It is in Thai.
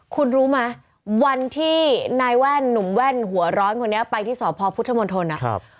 คุณรู้ไหมวันที่นายแว่นหนุ่มแว่นหัวร้อนคนนี้ไปที่สพพุทธมนตร